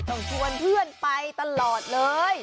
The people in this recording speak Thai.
ชวนเพื่อนไปตลอดเลย